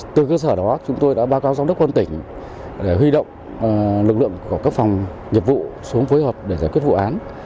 từ cơ sở đó chúng tôi đã báo cáo giám đốc quân tỉnh để huy động lực lượng của các phòng nhiệm vụ xuống phối hợp để giải quyết vụ án